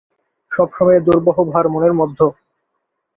সব সময়ে দুর্বহ ভার মনের মধ্যে।